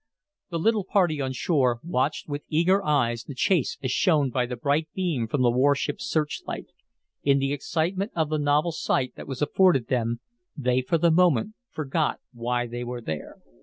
The little party on shore watched with eager eyes the chase as shown by the bright beam from the warship's searchlight. In the excitement of the novel sight that was afforded them they for the moment forgot why they were there.